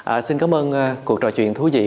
ờ xin cám ơn cuộc trò chuyện thú vị